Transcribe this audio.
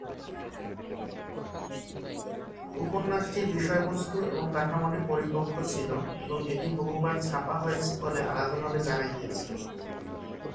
উপন্যাসটির বিষয়বস্তু এবং কাঠামোটি পরিপক্ব ছিল এবং এটি বহুবার ছাপা হয়েছে বলে আলাদাভাবে জানা গিয়েছে।